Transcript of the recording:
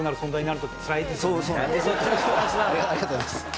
ありがとうございます。